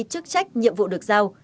chức trách nhiệm vụ được giao